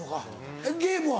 ゲームは？